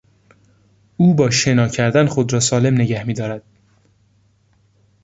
او با شنا کردن خود را سالم نگه میدارد.